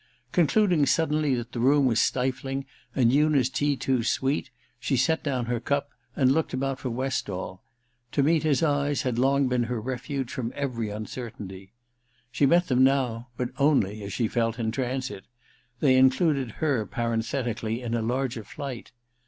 Concluding suddenly that the room was stifling and Una's tea too sweet, she set down her cup and looked about for Westall : to meet his eyes had long been her refuge from every uncertainty. She met them now, but only, as she felt, in transit ; they included her parenthetically in a larger flight.